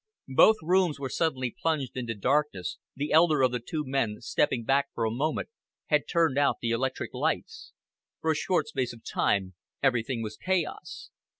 Both rooms were suddenly plunged into darkness, the elder of the two men, stepping back for a moment, had turned out the electric lights. For a short space of time everything was chaos.